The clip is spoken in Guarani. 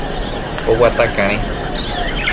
Oguata karẽ.